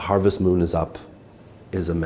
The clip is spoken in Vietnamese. và vì vậy